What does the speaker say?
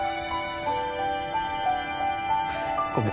ごめん。